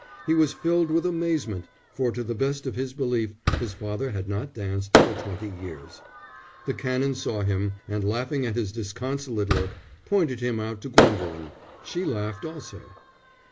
He was filled with amazement, for to the best of his belief his father had not danced for twenty years. The Canon saw him, and laughing at his disconsolate look, pointed him out to Gwendolen. She laughed also.